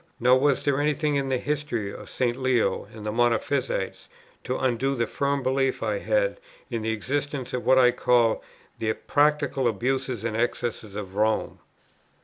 Nor was there any thing in the history of St. Leo and the Monophysites to undo the firm belief I had in the existence of what I called the practical abuses and excesses of Rome.